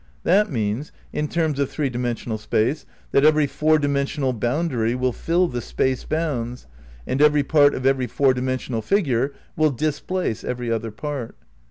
That means, in terms of three dimensional space, that every four dimensional boundary will fill the space bounds, and every part of every four dimensional figure will displace every other part.